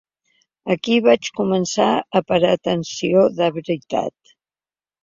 Aquí vaig començar a parar atenció de veritat.